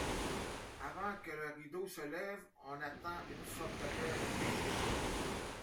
Avant que le rideau se lève, on entend une sorte d’appel déchirant.